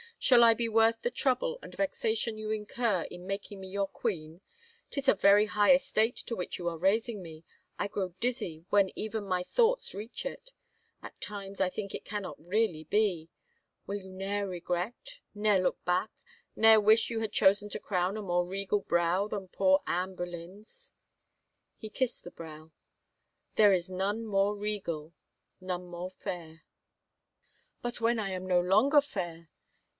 Shall I be worth the trouble and vexation you incur in making me your queen ?... 'Tis a very high estate to which you are raising me. I grow dizzy when even my thoughts reach it. At times I think it cannot really be. ... Will you ne'er regret — ne'er look back — ne'er wish you had chosen to crown a more regal brow than poor Anne Boleyn's ?" He kissed the brow. " There is none more regal ... none more fair." " But when I am no longer fair